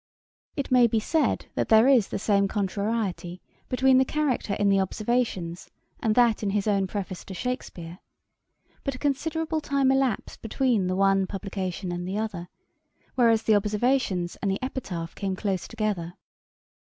It may be said, that there is the same contrariety between the character in the Observations, and that in his own Preface to Shakspeare; but a considerable time elapsed between the one publication and the other, whereas the Observations and the 'Epitaph' came close together.